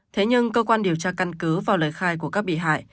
thế nhưng cơ quan điều tra căn cứ vào lời khai của các bị hại